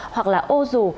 hoặc là ô rù